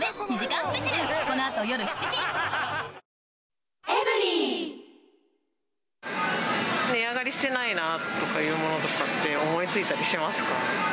おおーーッ値上がりしてないなっていうものとかって、思いついたりしますか？